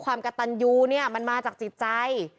ความกระตันยูเนี่ยมันมาจากจิตใจ